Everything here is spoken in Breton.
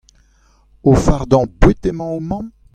O fardañ boued emañ ho mamm ?